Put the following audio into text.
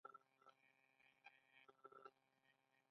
درواغ ویل ولې بد دي؟